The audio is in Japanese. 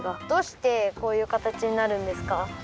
どうしてこういう形になるんですか？